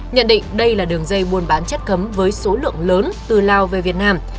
nhận định đây là đường dây buôn bán chất cấm với số lượng lớn từ lào về việt nam